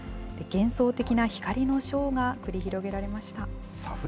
幻想的な光のショーが繰り広げられました。